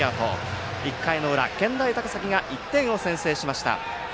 １回の裏、健大高崎が１点を先制しました。